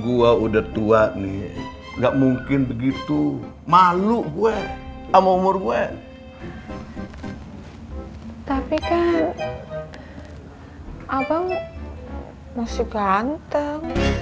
gue udah tua nih gak mungkin begitu malu gue sama umur gue tapi kan abang masih ganteng